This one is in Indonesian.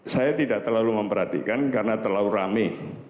saya tidak terlalu memperhatikan karena terlalu rame